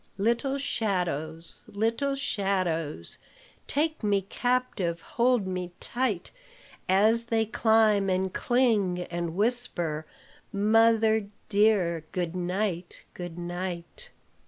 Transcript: Little shadows, little shadows, Take me captive, hold me tight, As they climb and cling and whisper, 'Mother dear, good night! good night!'"